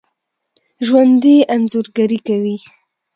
ژوندي انځورګري کوي